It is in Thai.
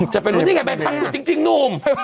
จะไปรู้นี่ไงใบพัดหลุดจริงหนุ่ม